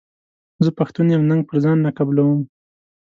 زه پښتون یم ننګ پر ځان نه قبلووم.